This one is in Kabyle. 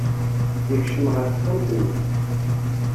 Yekcem ɣer texxamt-nnes.